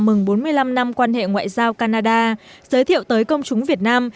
trong chuỗi sự kiện chào mừng bốn mươi năm năm quan hệ ngoại giao canada giới thiệu tới công chúng việt nam